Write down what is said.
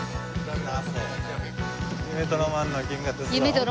夢とロマンの銀河鉄道。